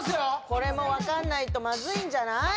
これも分かんないとマズいんじゃない？